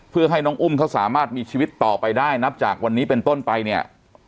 เพื่อให้น้องอุ้มเขาสามารถมีชีวิตต่อไปได้นับจากวันนี้เป็นต้นไปเนี่ย